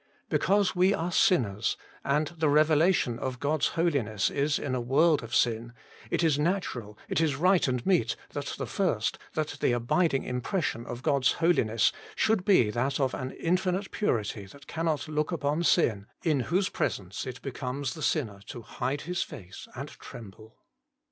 Because we are sinners, and the revelation of God's Holiness is in a world of sin, it is natural, it is right and meet, that the first, that the abiding impression of God's Holiness should be that of an Infinite Purity that cannot look upon sin, in whose Presence it becomes the sinner to hide his face and tremble.